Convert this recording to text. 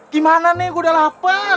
gimana nih gue udah lapar